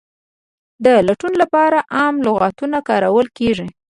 د لټون لپاره عام لغتونه کارول کیږي.